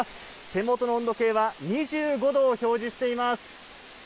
手元の温度計は２５度を表示しています。